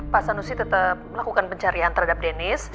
pak sanusi tetap melakukan pencarian terhadap denis